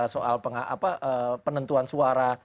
soal penentuan suara